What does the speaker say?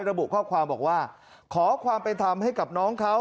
ระบุข้อความบอกว่าขอความเป็นธรรมให้กับน้องเขา